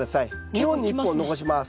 ２本に１本残します。